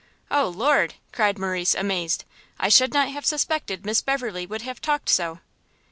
"O Lord!" cried Morrice, amazed, "I should not have suspected Miss Beverley would have talked so!"